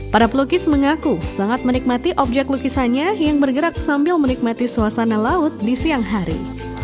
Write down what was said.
para pelukis mengaku sangat menikmati objek lukisannya yang bergerak sambil menikmati suasana laut di siang hari